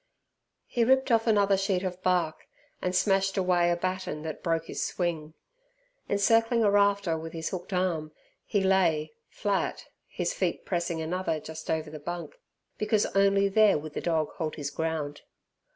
He ripped off another sheet of bark, and smashed away a batten that broke his swing. Encircling a rafter with his hooked arm, he lay, flat, his feet pressing another just over the bunk, because only there would the dog hold his ground.